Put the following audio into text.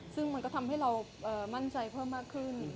ซึ่งมันก็ทำให้เรามั่นใจเพิ่มมากขึ้น